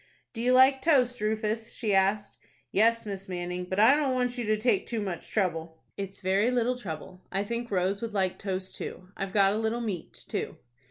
"Do you like toast, Rufus?" she asked. "Yes, Miss Manning; but I don't want you to take too much trouble." "It's very little trouble. I think Rose would like toast too. I've got a little meat too."